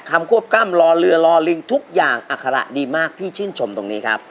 ควบกล้ามรอเรือรอลิงทุกอย่างอัคระดีมากพี่ชื่นชมตรงนี้ครับ